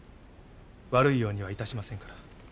悪いようには致しませんから。